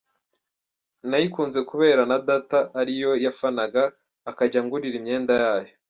Nayikunze kubera na data ariyo yafanaga akajya angurira imyenda yayo.